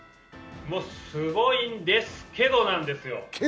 すごいんですけど、なんですよ。